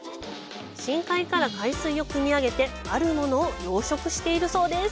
深海から海水をくみ上げてあるものを養殖しているそうです。